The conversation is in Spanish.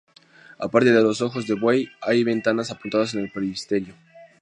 Aparte de los ojos de buey, hay ventanas apuntadas en el presbiterio.